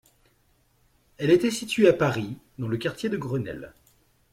Elle était située à Paris, dans le quartier de Grenelle.